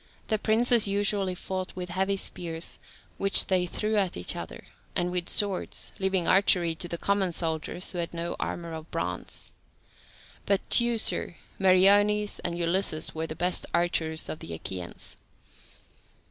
The princes usually fought with heavy spears, which they threw at each other, and with swords, leaving archery to the common soldiers who had no armour of bronze. But Teucer, Meriones, and Ulysses were the best archers of the Achaeans.